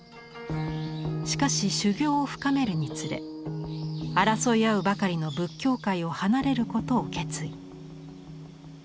しかし修行を深めるにつれ争い合うばかりの仏教界を離れることを決意。